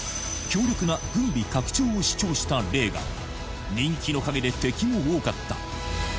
強力な軍備拡張を主張したレーガン人気の陰で敵も多かった